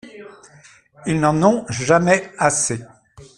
Ils n’en ont jamais assez.